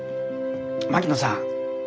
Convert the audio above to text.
槙野さん。